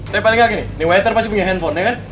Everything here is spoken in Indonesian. tapi paling gak gini nih waiter pasti punya handphone ya kan